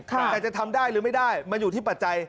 แต่จะทำได้หรือไม่ได้มันอยู่ที่ปัจจัย